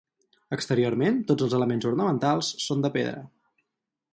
Exteriorment tots els elements ornamentals són de pedra.